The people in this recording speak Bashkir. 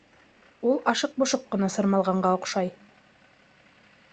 Ул ашыҡ-бошоҡ ҡына сырмалғанға оҡшай.